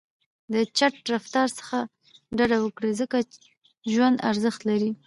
د چټک رفتار څخه ډډه وکړئ، ځکه ژوند ارزښت لري.